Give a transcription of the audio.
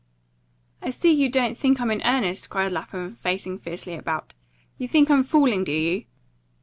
"I see you don't think I'm in earnest!" cried Lapham, facing fiercely about. "You think I'm fooling, do you?"